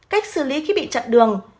cách xử lý khi bị chặn đường